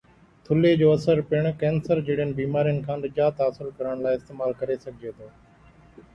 ٿلهي جو اثر پڻ ڪينسر جهڙين بيمارين کان نجات حاصل ڪرڻ لاءِ استعمال ڪري سگهجي ٿو